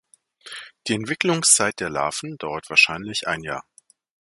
Die Entwicklungszeit der Larven dauert wahrscheinlich ein Jahr.